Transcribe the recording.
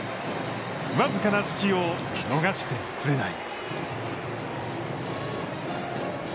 僅かな隙を逃してくれない。